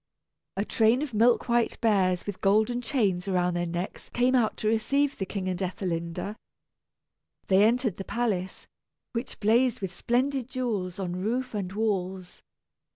A train of milk white bears with golden chains around their necks came out to receive the king and Ethelinda. They entered the palace, which blazed with splendid jewels on roof and walls.